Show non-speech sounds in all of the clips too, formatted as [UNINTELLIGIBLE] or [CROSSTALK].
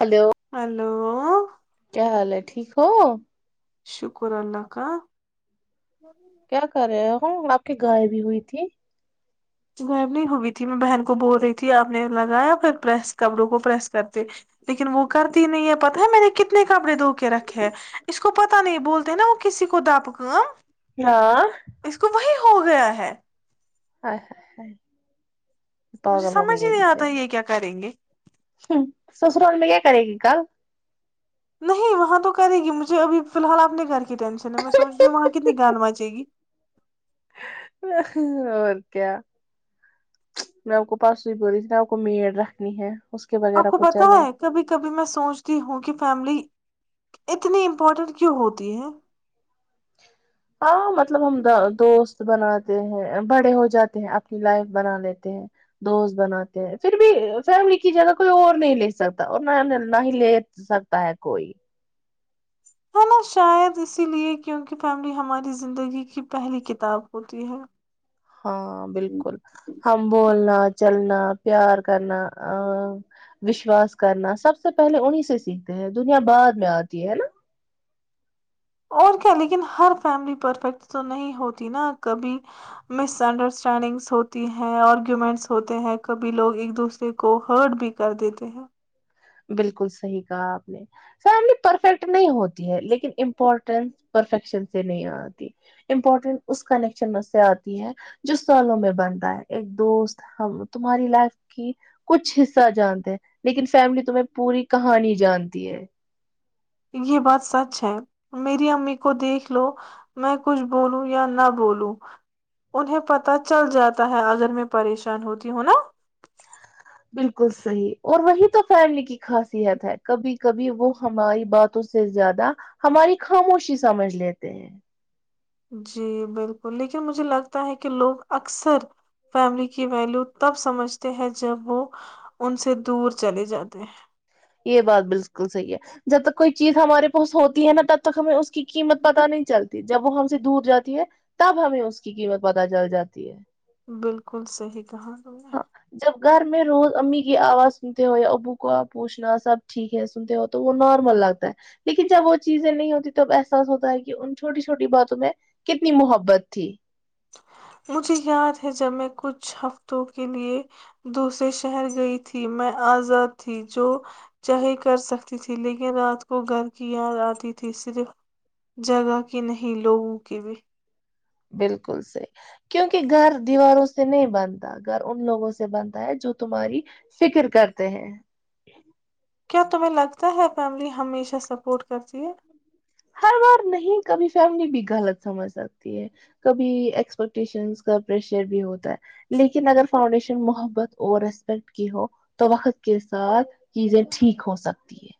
Hello hello کیا حال ہیں ٹھیک ہو شکر اللہ کااں کیا کر رہے ہوں آپ کی گائے بھی ہوئی تھی غائب نہیں ہوئی تھی میں بہن کو بول رہی تھی آپ نے لگایا پھر پس کپڑوں کو پریس کرتے لیکن وہ کرتی نہیں ہے پتا ہے میں نے کتنے کپڑے دھو کے رکھے ہیں اس کو پتا نہیں بولتے نا وہ کسی کو دپ کام ہاں اس کو وہی ہو گیا ہے ہائے ہائے مجھے پاگل ہو سمجھ گئی ہی ہے نہیں بچ آتا یہ کیا کریں گے سسرال میں کرے گی کل نہیں وہاں تو کرے گی مجھے ابھی فی الحال آپ نے گھر کے ٹینشن ہے میں سو رہی ہوں وہاں کت گان بچ [INAUDIBLE] اور کیا میں آپ کو پاس سوئی ب رہی تھی ن آپ کو میڑ رکھنی ہے اس کے آپ وغیرہ کو پتا چلے ہے کبھی کبھی میں سوچتی ہوں کہ فیملی اتنی امپورٹنٹ کیوں ہوتی ہیں ہاں مطلب ہم دوست بناتے ہیں بڑے ہو جاتے ہیں اپنی لائف بنا لیتے ہیں دوست بناتے ہیں پھر بھی فیملی کی جگہ کوئی اور نہیں لے سکتا اور نہ نہ ہی لے سکتا ہے کوئی ہے نا شاید اسی لیے کیونکہ فیملی ہماری زندگی کی پہلی کتاب ہوتی ہے ہاں بالکل ہم بولنا چلنا پیار کرنا وشواس کرنا سب سے پہلے انیں سے سیکھتے ہیں دنیا بعد میں آتی ہے ہے نا اور کیا لیکن ہر فیملی پرفیکٹ تو نہیں ہوتی نا کبھی مس انڈرسٹینڈنگس ہوتی ہیں آرگومینٹس ہوتے ہیں کبھی لوگ ایک دوسرے کو ہرٹ بھی کر دیتے ہیں بالکل صحیح کہا آپ نے فیملی پرفیکٹ نہیں ہوتی ہے لیکن امپورٹینس پرفیکشن سے نہیں آتی امپورٹینٹ اس کنیکشن میں سے آتی ہے جو سالوں میں بنتا ہے ایک دوست ہم تمہاری لائف کی کچھ حصہ جانتے ہیں لیکن فیملی تو تہیں پوری کہانی جانتی ہے یہ بات سچ ہے میری امی کو دیکھ لو میں کچھ بولوں یا نہ بولوں انہیں پتا چل جاتا ہے اگر میں پریشان ہوتی ہوں نا بالکل صحیح اور وہی تو فیملی کی خاصیت ہے کبھی کبھی وہ ہماری باتوں سے زیادہ ہماری خاموشی سمجھ لیتے ہیں جی بالکل لیکن مجھے لگتا ہے کہ لوگ اکثر فیملی کی ویلو تب سمجھتے ہیں جب وہ ان سے دور چلے جاتے ہیں یہ بات بالکل صحیح ہے جب تک کوئی چیز ہمارے پاس ہوتی ہے نا تب تک ہمیں اس کی قیمت ہیں پتا نہیں چلتی جب وہ ہم سے دور جاتی ہے تب ہمیں اس کی قیمت پت چل جاتی ہے بالکل صحیح کہا تمنے ہاں جب گھر میں روز امی کی آواز سنتے ہوئے ابو کو آب پوچھنا سب ٹھیک ہے سنتے ہو تو وہ نارمل لگتا ہے لیکن جب وہ چیزیں نہیں ہوتی تب احساس ہوتا ہے کہ ان چھوٹی چھوٹی باتوں میں کتنی محبت تھی مجھے یاد ہے جب میں کچھ ہفتوں کے لئے دوسرے شہر گئی تھی میں آزاد تھی جو چہی کر سکتی تھی لیکن رات کو گھر کی یاد آتی تھی صرف جگہ کی نہیں لوگوں کی بھی بالکل سے کیونکہ گھر دیواروں سے نہیں بنتا گھر ان لوگوں سے بنتا ہے جو تمہاری فکر کرتے ہیں کیا تمہیں لگتا ہے فیملی ہمیشہ سپورٹ کرتی ہے ہر بار نہیں کبھی فیملی بھی غلط سمجھ سکتی ہے کبھی ایکسپیکٹیشن کا پریشر بھی ہوتا ہے لیکن اگر فاؤنڈیشن محبت اور رسپیکٹ کی ہو تو وقت کے ساتھ چیزیں ٹھیک ہو سکتی ہے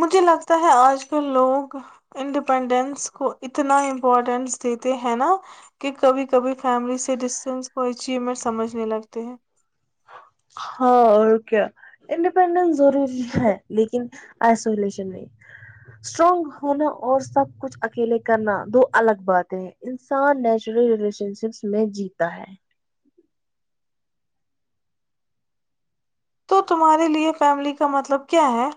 مجھے لگتا ہے آج کل لوگ انڈیپینڈینس کو اتنا امپورٹینس دیتے ہیں نا کہ کبھی کبھی فیملی سے ڈسٹینس کو اچیومنٹ سمجھنے لگتے ہیں ہاں اور کیا انڈیپینڈینس ضروری ہے لیکن آئسولیشن میں اسٹرانگ ہونا اور سب کچھ اکیلے کرنا دو الگ باتیں ہیں انسان نیچرل ریلیشن شپس میں جیتا ہے تو تمہارے لیے فیملی کا مطلب کیا ہے؟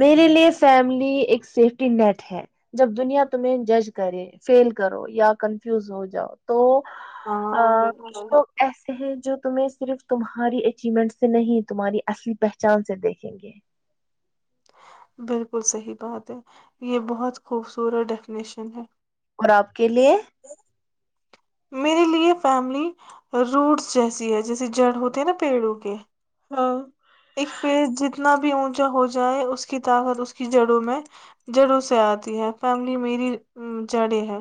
میرے لیے فیملی ایک سیفٹی نیٹ ہے جب دنیا تمہیں جج کرے فیل کرو یا کنفیوز ہو جاؤ تو ا ہاں ک بالکل تو ایسے ہیں جو تمہیں صرف تمہاری اچیومنٹ سے نہیں تمہاری اصلی پہچان سے دیکھیں گے بالکل صحی بات ہے یہ بہت خوبصورت ڈیفینیشن ہے اور آپ کے لیے میرے لیے فیملی روٹس جیسی ہے جیسے جڑ ہوتی ہے نا پیڑوں کے ہاں ایک پیڑ جتنا بھی بھی اونچا ہو جائے اس کی طاقت اس کی جڑوں میں جڑوں سے آتی ہے فیملی میری جڑیں ہے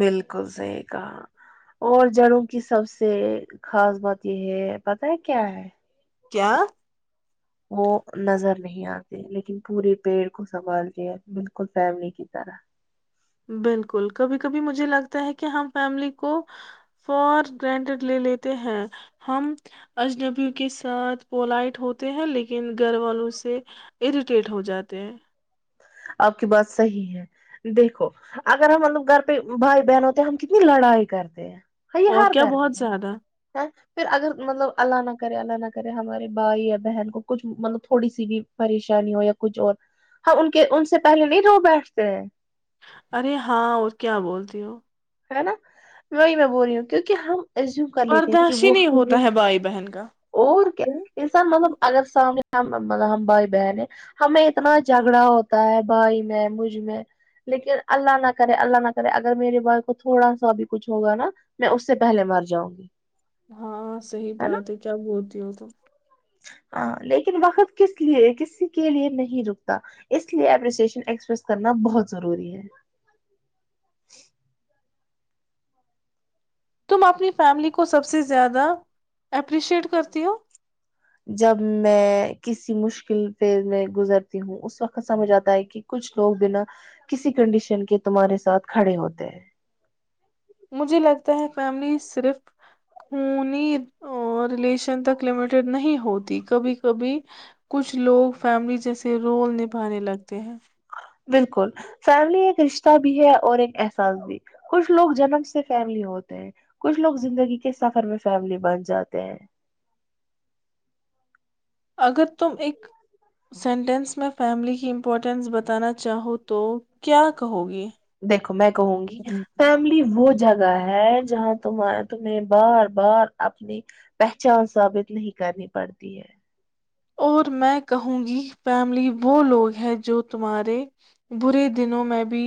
بالکل صحیح کہا اور جڑوں کی سب سے خاص بات یہ ہے پتا ہے کیا ہے کیا وہ نظر نہیں آتا لیکن پورے پیڑ کو سنبھال د بالکل فیملی کی طرح بالکل کبھی کبھی مجھے لگتا ہے کہ ہم فیملی کو فار گنٹڈ لے لیتے ہیں ہم اجنبی کے ساتھ پلائٹ ہوتے ہیں لیکن گھر والوں سے اریٹیٹ ہو جاتے ہیں آپ کی بات صحیح ہے دیکھو اگر ہم مطلب گھر پہ بھائی بہن ہوتے ہیں ہم کتنی لڑائی کرتے ہیں اور ہر کیا گھر میں بہت ہے زیادہ پھر اگر مطلب اللہ نہ کرے اللہ نہ کرے ہمارے بھائی یا بہن کو کچھ مطلب تھوڑی سی بھی پریشانی ہو یا کچھ اور ہم ان کو کہ ان سے پہلے نہیں رو بیٹھتے ہیں ارے ہاں اور کیا بولتی ہو ہے نا وہی میں بول رہی ہوں کیونکہ ہم ای کر لیتے ہیں کہ برداشت ہی وہ نہیں ہوتا ہے بھائی بہن کا اور کیا انسان مطلب اگر سامنے ہم بھائی بہن ہیں ہمیں اتنا جھگڑا ہوتا ہے بھائی میں مجھ میں لیکن اللہ نہ کرے اللہ نہ کرے اگر میرے بھائی تو تھوڑا سا بھی کچھ ہوگا نا میں اس سے پہلے مر جاؤں گی ہاں صحیح بات ہے کیا بولتی ہووں تو ہاں لیکن وقت کس لیے کسی کے لیے نہیں رکتا اس لیے اپریسیشن ایکسپریس کرنا بہت ضروری ہے تم اپنی فیملی کو سب سے زیادہ اپریشیٹ کرتی ہو جب میں کسی مشکل فیز میں گزرتی ہوں اس وقت سمجھ آتا ہے کہ کچھ لوگ بنا کسی کنڈیشن کے تمہارے ساتھ کھڑے ہوتے ہیں مجھے لگتا ہے فیملی صرف خنی ریلیشن تک لمیٹیڈ نہیں ہوتی کبھی کبھی کچھ لوگ فیملی جیسے رول نبھانے لگتے ہیں بالکل فیملی ایک رشتہ بھی ہے اور ایک احساس بھی کچھ لوگ جنم سے فیملی ہوتے ہیں کچھ لوگ زندگی کے سفر میں فیملی بن جاتے ہیں اگر تم ایک سینٹینس میں فیملی کی امپورٹینس بتانا چاہو تو کیا کہو گی دیکھو میں کہوں گی فیملی وہ جگہ ہے جہاں تم تمہیں بار بار اپنی پہچان ثابت نہیں کرنی پڑتی ہے اور میں کہوں گی فیملی وہ لوگ ہے جو تمہارے برے دنوں میں بھی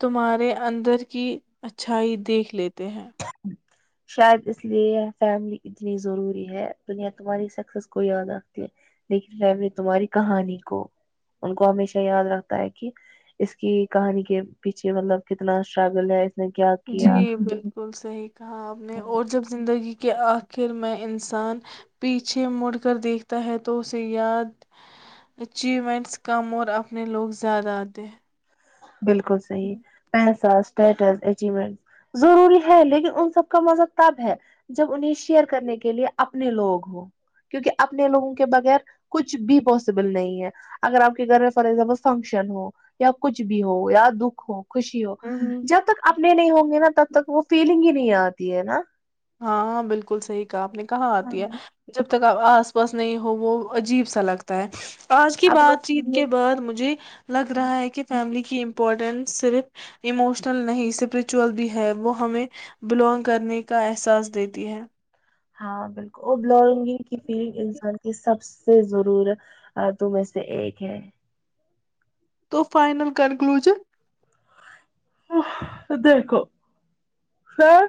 تمہارے اندر کی اچھائی دیکھ لیتے تے ہیں شاید اس لیے فیملی اتنی ضروری ہے دنیا تمہاری سکسیس کو یاد رکھتی ہے لیکن فیملی تمہاری کہانی کو ان کو ہمیشہ یاد رکھتا ہے کہ اس کی کہانی کے پیچھے مطلب کتنا اسٹرگل ہے اس نے کیا کیا جی بالکل صحی کہا آپ نے اور جب زگی زندگی کے آخر میں انسان پیچھے مڑ کر دیکھتا ہے تو اسے یاد اچیومنٹس کم اور اپنے لوگ زیادہ آتے ہاں بالکل صحی پیسے اسٹیٹس اچنٹ ضروری ہے لیکن ان سب کا مزہب تب ہے جب انہیں شیئر کرنے کے لیے اپنے لوگ ہو کیونکہ اپنے لوگوں کے بغیر کچھ بھی پاسبل نہیں ہے اگر آپ کے گھر میں ف ایگزامپل فنکشن ہو یا کچھ کچھ بھی ہو یا دکھ ہو خوشی ہو ہوں جب تک اپنے نہیں ہوں گے نا تب تک وہ فیلنگ ہی نہیں نہیں آتی ہے نا ہاں بالکل صحیح آپ نے کہاں آتی ہے ہاں جب تک آس پاس نہیں ہو وہ عجیب سا لگتا ہے آج کی آپ لوگ بات چیت بعد مجھے لگ رہا ہے کہ فیملی امپورٹنس صرف اموشنل نہیں اسپریچوئل بھی ہے وہ ہمیں بلانگ کرنے کے کا احساس دیتی ہے ہاں بالکل اور بلگگ کی فیلنگ انسان کے سب سے ضرور ت میں سے ایک ہے تو فائنل کنکلوژن دیکھو خر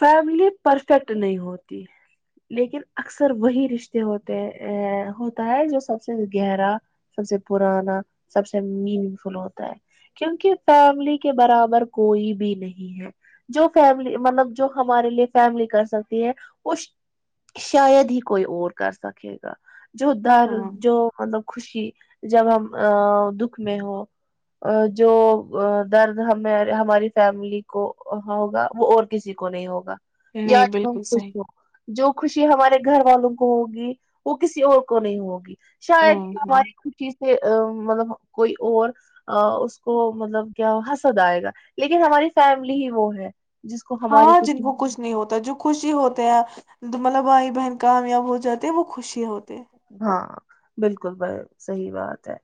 فیملی پرفیکٹ نہیں ہوتی لیکن اکثر وہی رشتے ہوتے ہوتا ہے جو سب سے گہرا سب سے پرانا سب سے میننگ فل ہوتا ہے کیونکہ فیملی کے برابر کوئی بھی نہیں ہے جو فیملی مطلب جو ہمارے لیے فیملی کر سکتی ہے وہ شاید ہی کوئی اور کر سکے گا جودر ہاں جو مطلب خوشی جب ہم دکھ میں ہو جو درد ہمیں ہماری فیملی کو ہوگا وہ اور کسی کو نہیں ہوگا یا نہیں جو بالکل خوش صحیح ہو جو خوشی ہمارے گھر والوں کو ہوگی وہ کسی اور کو نہیں ہوگی شاید نہیں ہاں ہماری خوشی سے ا مطلب کوئی اور اس کو مطلب کیا ہنسد آئے گا لیکن ہماری فیملی ہی وہ ہے جس کو ہماری ہاں جن خوشی کو کچھ نہیں ہوتا جو خوشی ہوتے ہیں مطلب بھائی بہن کامیاب ہو جاتے ہیں وہ خوشی ہوتی ہاں بالکل ب صحی بات ہے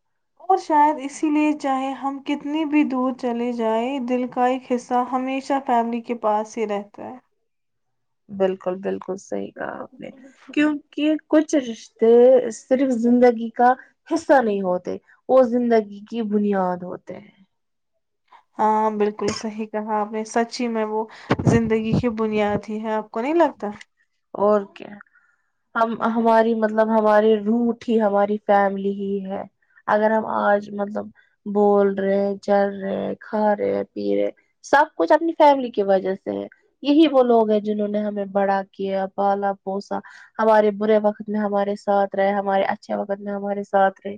اور شاید اسی لیے چاہے ہم کتنی بھی دور چلے جائیں دل کا ایک حصہ ہمیشہ فیملی کے پاس ہی رہتا ہے بالکل بالکل صحی کہا آپ نے کیونکہ کچھ رشتے صرف زندگی کا حصہ نہیں ہوتے وہ زندگی کی بنیاد ہوتے ہیں ہاں بالکل صحی کہا آپ نے سچ ہی میں وہ زندگی کی بنیاد ہی ہے آپ کو نہیں لگتا اور کیا ہم ہماری مطلب ہماراری روٹ ہی ہماری فیملی ہی ہے اگر ہم آج مطلب بول رہے ہیں چل رہے ہیں کھا رہے پی رہے سب کچھ اپنی فیملی کی وجہ سے ہے یہی وہ لوگ ہیں جنہوں نے ہمیں بڑا کیا پالا پوسا ہمارے برے وقت میں ہمارے ساتھ رہے ہمارے اچھے وقت میں ہمارے ساتھ رہے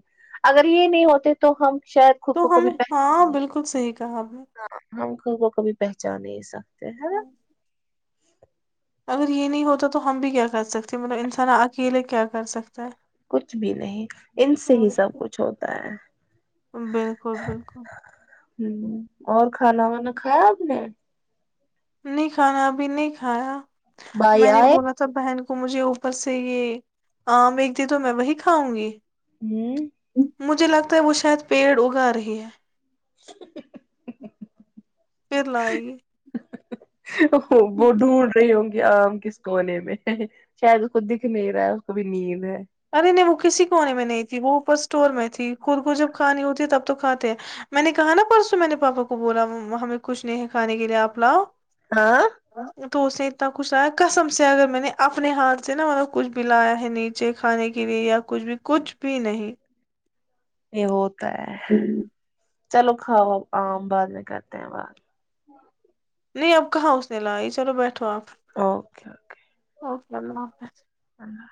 اگر یہ نہیں ہوتے تو ہم شاید خو تو کو ہم کبھی ہاں پ بالکل صحیح کہا آپ نے ہم کو کبھی پہچانے س ہاں اگر یہ نہیں ہوتا تو ہم بھی کیا کر سکتے مطلب انسان اکیلے کیا کر سکتا ہے کچھ بھی نہیں ان سے ہی سب کچھ ہوتا ہے بالکل بالکل ہ اور کھانا وانا کھایا آپ نے نہیں کھانا ابھی نہیں کھایا بھائی میں نے آئے بولا تھا بہن کو مجھے اوپر سے یہ آم ایک د تو میں وہی کھاؤں گی جی مجھے لگتا ہے وہ شاید پیڑ اگا رہی ہے پھر لاائی گے [INAUDIBLE] ا وہ ڈھونڈ رہی ہوں گی آم کس کونے میں شاید اس کو دکھ نہیں رہا ہے اس کو بھی نیند ہے [UNINTELLIGIBLE] ارے نہیں وہ کسی کونے میں نہیں تھی وہ اوپر اسٹور میں تھی خور کو جب کھانی ہوتی ہے تب تو کھاتے ہیں میں نے کہا نا پرسوں میں نے پاپا کو بولا ہمیں کچھ نہیں ہے کھانے کے لیے آپ لاؤ ہاں [UNINTELLIGIBLE] تو اس نے اتنا کچھ لا کسم سے اگر میں نے اپنے ہاتھ سے نا مطلب کچھ بھی لایا ہے نیچے کھانے کے لیے یا کچھ بھی کچھ بھی نہیں یہ ہو [UNINTELLIGIBLE] پ ہوں [UNINTELLIGIBLE] چلو کھاؤو عام بعد میں کرتے ہیں بات [UNINTELLIGIBLE] نہیں اب کہاں اس نے لائی چلو بیٹھو آپ [UNINTELLIGIBLE] اوکے اوکے [UNINTELLIGIBLE] اوکےو [UNINTELLIGIBLE] ہ [UNINTELLIGIBLE]